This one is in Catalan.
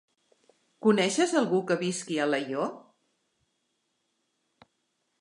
Coneixes algú que visqui a Alaior?